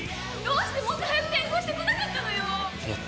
どうしてもっと早く転校してこなかったのよ。